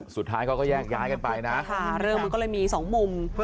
สุดท้ายเขาก็แยกย้ายกันไปนะเรื่องมันก็เลยมีสองมุม